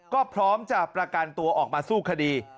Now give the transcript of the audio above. ก็พร้อมจะประกันตัวออกมาสู้คดี